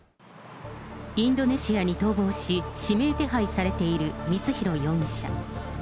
インドネシアに逃亡し、指名手配されている光弘容疑者。